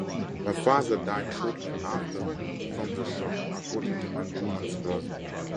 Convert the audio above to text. Her father died shortly after from the shock, according to Anjuman's brother.